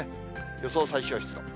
予想最小湿度。